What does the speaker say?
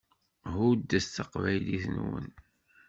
Ḥuddet taqbaylit-nwen.